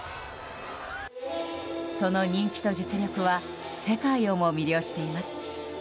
その人気と実力は世界をも魅了しています。